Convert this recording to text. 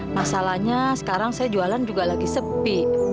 masalahnya sekarang saya jualan juga lagi sepi